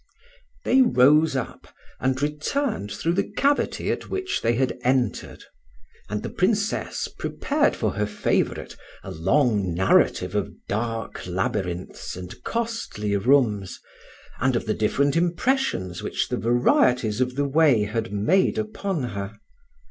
THEY rose up, and returned through the cavity at which they had entered; and the Princess prepared for her favourite a long narrative of dark labyrinths and costly rooms, and of the different impressions which the varieties of the way had made upon her.